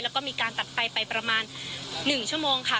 แล้วก็มีการตัดไฟไปประมาณ๑ชั่วโมงค่ะ